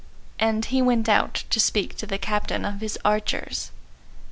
And he went out to speak to the Captain of his Archers.